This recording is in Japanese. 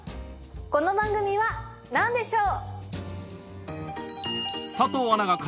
この番組は何でしょう？